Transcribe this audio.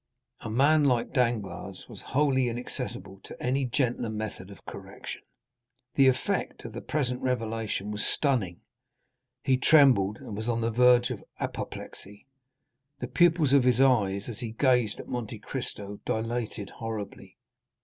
A man like Danglars was wholly inaccessible to any gentler method of correction. The effect of the present revelation was stunning; he trembled and was on the verge of apoplexy. The pupils of his eyes, as he gazed at Monte Cristo dilated horribly.